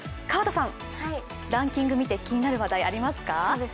河田さん、ランキング見て気になる話題ありますか？